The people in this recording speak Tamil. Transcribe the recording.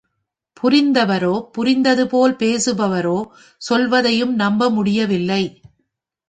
புரிந்தவரோ, புரிந்ததுபோல பேசுபவரோ சொல்வதையும் நம்ப முடியவில்லை.